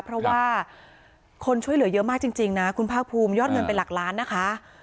เพราะว่าคนช่วยเหลือเยอะมากจริงนะคุณภาคภูมิยอดเงินเป็นหลักล้านนะคะ